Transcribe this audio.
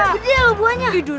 gede loh buahnya